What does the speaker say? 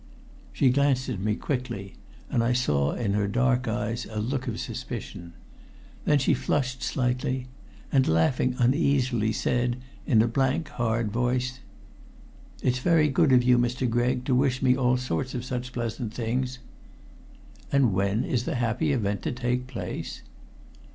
She glanced at me quickly, and I saw in her dark eyes a look of suspicion. Then she flushed slightly, and laughing uneasily said, in a blank, hard voice "It's very good of you, Mr. Gregg, to wish me all sorts of such pleasant things." "And when is the happy event to take place?"